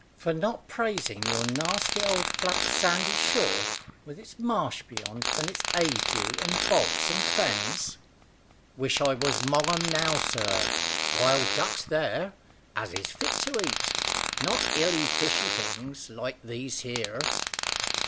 "For not praising your nasty old flat sandy shore, with its marsh beyond, and its ague and bogs and fens." "Wish I was 'mong 'em now, sir. Wild ducks there, as is fit to eat, not iley fishy things like these here."